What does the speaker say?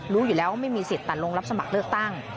รู้อยู่แล้วว่าไม่มีสิทธิ์ตัดลงรับสมัครเลือกตั้ง